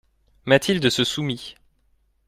Mathilde se soumit.